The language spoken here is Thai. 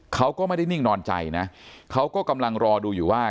เขาก็ไม่ได้นิ่งนอนใจนะเขาก็กำลังรอดูอยู่ว่า